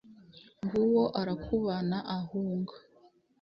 ng'uwo arakubana ahunga